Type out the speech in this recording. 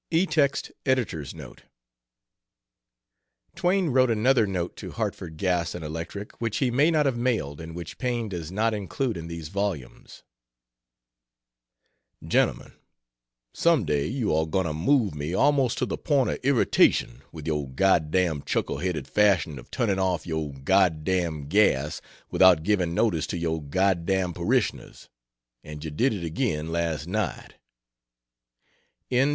[Etext Editor's Note: Twain wrote another note to Hartford Gas and Electric, which he may not have mailed and which Paine does not include in these volumes: "Gentleman: Someday you are going to move me almost to the point of irritation with your God damned chuckle headed fashion of turning off your God damned gas without giving notice to your God damned parishioners and you did it again last night " D.